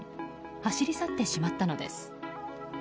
走り去ってしまったのです。